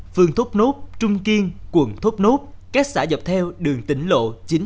phường thốt nốt trung kiên quận thốt nốt các xã dọc theo đường tỉnh lộ chín trăm bảy mươi